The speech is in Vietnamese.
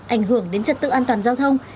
ảnh hưởng đến trật tự an toàn giao thông